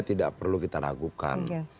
tidak perlu kita ragukan